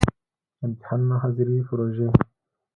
امتحانونه، ،حاضری، پروژی